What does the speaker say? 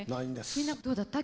みんなどうだった？